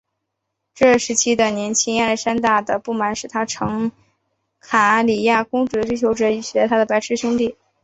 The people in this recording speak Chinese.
这时期的年轻亚历山大的不满使他成了卡里亚公主的追求者以取代他的白痴兄弟。